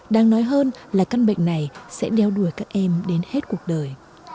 đang nói hơn là căn bệnh này sẽ đeo đuổi các em đến hết cuộc đời